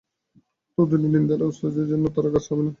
তদ্ভিন্ন নিন্দা বা স্তুতির দ্বারা কাজ হইবে না।